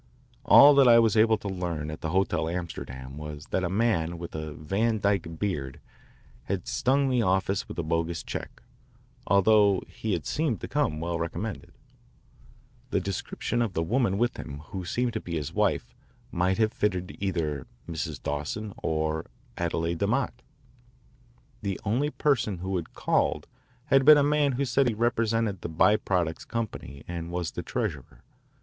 All that I was able to learn at the Hotel Amsterdam was that a man with a Van Dyke beard had stung the office with a bogus check, although he had seemed to come well recommended. The description of the woman with him who seemed to be his wife might have fitted either Mrs. Dawson or Adele DeMott. The only person who had called had been a man who said he represented the By Products Company and was the treasurer.